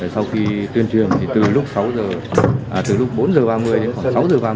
sau khi tuyên truyền thì từ lúc bốn giờ ba mươi đến khoảng sáu giờ ba mươi